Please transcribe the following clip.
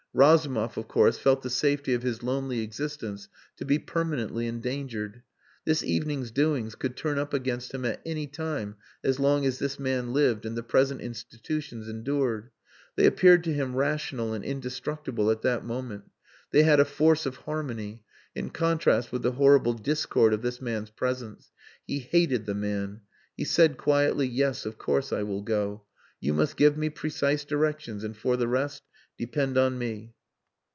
Razumov, of course, felt the safety of his lonely existence to be permanently endangered. This evening's doings could turn up against him at any time as long as this man lived and the present institutions endured. They appeared to him rational and indestructible at that moment. They had a force of harmony in contrast with the horrible discord of this man's presence. He hated the man. He said quietly "Yes, of course, I will go. 'You must give me precise directions, and for the rest depend on me."